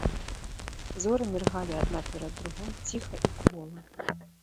Зоры міргалі адна перад другой ціха і квола.